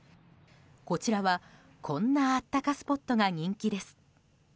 こちらはこんな温かスポットが人気です。